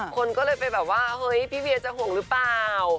คนก็เลยไปแบบว่าเฮ้ยพี่เวียจะห่วงหรือเปล่า